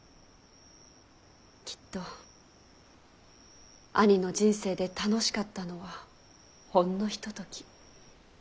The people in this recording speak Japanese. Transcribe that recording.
きっと兄の人生で楽しかったのはほんのひととき。